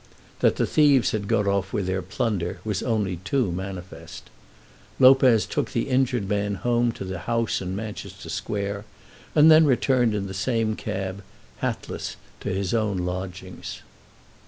That the thieves had got off with their plunder was only too manifest. Lopez took the injured man home to the house in Manchester Square, and then returned in the same cab, hatless, to his own lodgings.